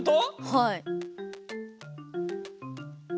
はい。